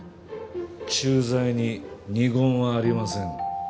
駐在に二言はありません。